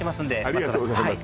ありがとうございます